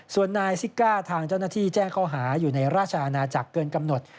ส่วนนายซิก้าทางเจ้าหน้าที่แจ้งข้อหาอยู่ในราชอาณาจักรเกินกำหนด